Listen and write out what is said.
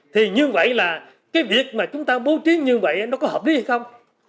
thì như vậy là cái việc mà chúng ta bố trí như vậy nó có hợp lý hay không